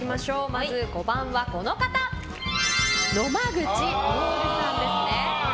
まず５番は野間口徹さんですね。